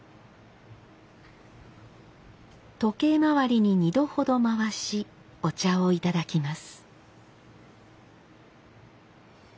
時計回りに２度ほど回しお茶を頂きます。